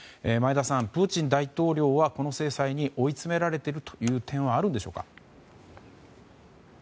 前田さん、プーチン大統領はこの制裁に追い詰められているという点はあるんでしょうか？